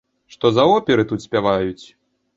Што за оперы тут спяваюць!